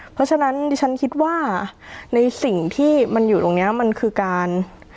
เพราะฉะนั้นดิฉันคิดว่าในสิ่งที่มันอยู่ตรงนี้มันคือการ